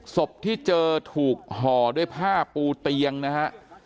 ศพที่เจอถูกห่อด้วยผ้าปูเตียงนะฮะ